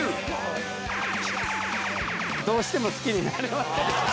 どうしても好きになれません。